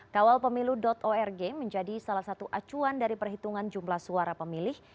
kawalpemilu org menjadi salah satu acuan dari perhitungan jumlah suara pemilih